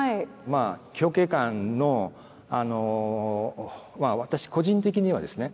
まあ表慶館の私個人的にはですね